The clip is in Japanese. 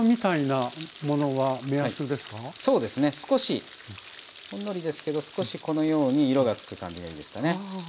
そうですね少しほんのりですけど少しこのように色がつく感じがいいですかね。